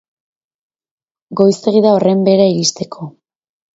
Goizegi da horren behera iristeko.